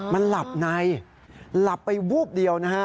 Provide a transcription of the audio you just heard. มันหลับในหลับไปวูบเดียวนะฮะ